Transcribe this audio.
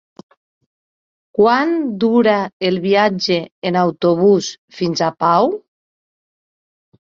Quant dura el viatge en autobús fins a Pau?